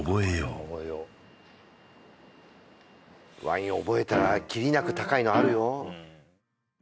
ワイン覚えたらきりなく高いのあるよ